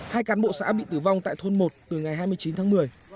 hai cán bộ xã bị tử vong tại thôn một từ ngày hai mươi chín tháng một mươi